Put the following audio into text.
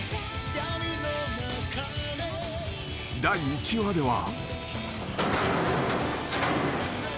［第１話では］